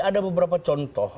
ada beberapa contoh